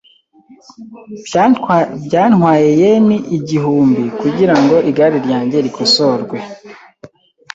Byantwaye yen igihumbi kugirango igare ryanjye rikosorwe.